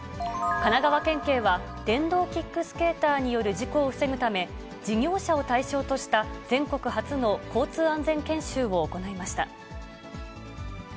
神奈川県警は電動キックスケーターによる事故を防ぐため、事業者を対象とした、全国初の交通安全研修を行いました。